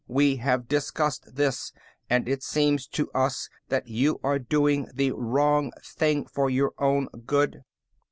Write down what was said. We have discussed this, and it seems to us that you are doing the wrong thing for your own good."